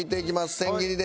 千切りで。